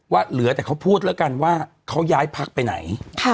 เหลือแต่เขาพูดแล้วกันว่าเขาย้ายพักไปไหน